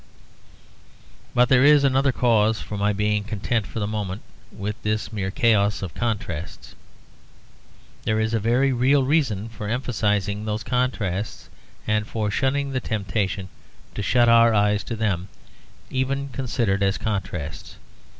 But there is another cause for my being content for the moment, with this mere chaos of contrasts. There is a very real reason for emphasising those contrasts, and for shunning the temptation to shut our eyes to them even considered as contrasts.